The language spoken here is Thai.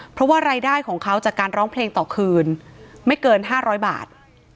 เพราะว่ารายได้ของเขาจากการร้องเพลงต่อคืนไม่เกิน๕๐๐บาท